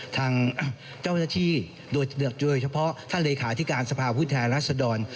ทางเจ้าหน้าที่โดยเฉพาะท่านเลขาธิการสภาพผู้แทนรัศดร